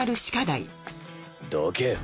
どけよ。